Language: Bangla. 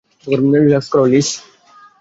রিল্যাক্স কর, লিস।